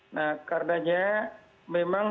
nah karenanya memang